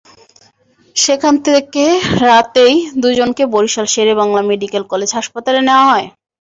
সেখান থেকে রাতেই দুজনকে বরিশাল শের-ই-বাংলা মেডিকেল কলেজ হাসপাতালে নেওয়া হয়।